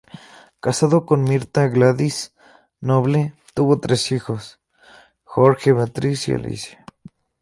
Casado con Mirta Gladys Noble, tuvo tres hijos: Jorge, Beatriz y Alicia.